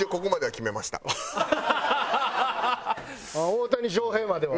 大谷翔平までは。